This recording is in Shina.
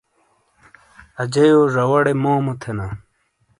اجییو زواڑے مومو تھینا۔